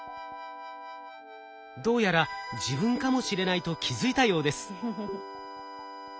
どうやら自分かもしれないと気付いたようです。